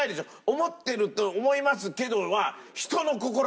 「思ってると思いますけど」は。